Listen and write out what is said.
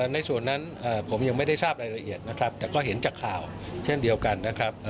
ในส่วนนั้นผมยังไม่ได้ทราบรายละเอียดนะครับแต่ก็เห็นจากข่าวเช่นเดียวกันนะครับ